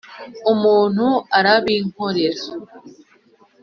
umuntu arabinkorera.